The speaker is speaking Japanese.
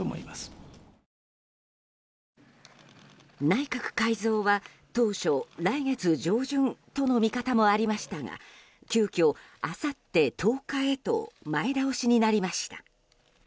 内閣改造は当初来月上旬との見方もありましたが急きょ、あさって１０日へと前倒しになりました。